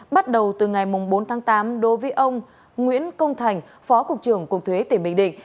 bắt đầu từ ngày bốn tháng tám đối với ông nguyễn công thành phó cục trưởng cục thuế tỉnh bình định